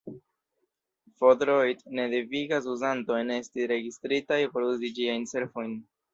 F-Droid ne devigas uzantojn esti registritaj por uzi ĝiajn servojn.